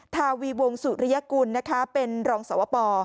ถาวีวงสุรียกุลเป็นรองสวพป